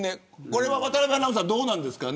これは渡邊アナウンサーどうなんですか。